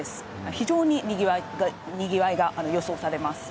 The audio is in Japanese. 非常ににぎわいが予想されます。